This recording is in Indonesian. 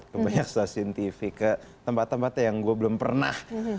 ke banyak stasiun tv ke tempat tempat yang gue belum pernah